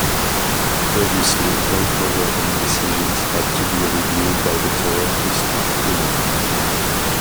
Previously, all programming decisions had to be reviewed by the Toronto staff in advance.